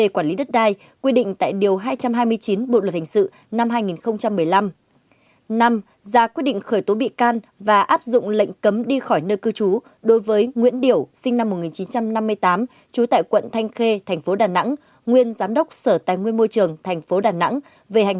sáu giá quyết định khởi tố bị can và áp dụng lệnh cấm đi khỏi nơi cư trú đối với nguyễn điểu sinh năm một nghìn chín trăm năm mươi tám trú tại quận thanh khê tp đà nẵng nguyên giám đốc sở tài nguyên môi trường tp đà nẵng